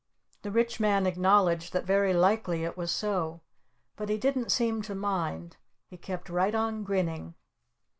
The Rich Man acknowledged that very likely it was so. But he didn't seem to mind. He kept right on grinning.